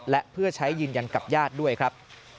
และเพื่อใช้ยืนยันกับญาติด้วยครับ